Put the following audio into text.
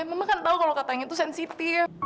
mama kan tau kalau katanya tuh sensitif